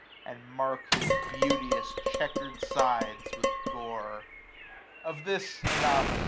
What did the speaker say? And mark his beauteous checkered sides with gore. Of this enough.